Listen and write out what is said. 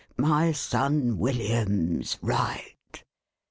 My son William's right